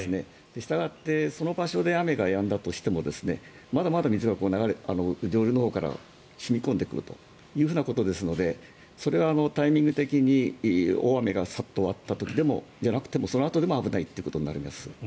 したがって、その場所で雨がやんだとしてもまだまだ水が上流のほうから染み込んでくるというようなことですのでそれがタイミング的に大雨があった時でもそのあとでも危ないということになります。